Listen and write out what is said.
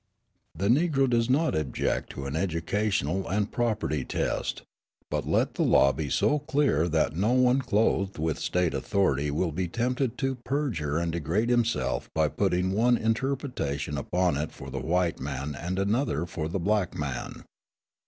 "The Negro does not object to an educational and property test, but let the law be so clear that no one clothed with State authority will be tempted to perjure and degrade himself by putting one interpretation upon it for the white man and another for the black man.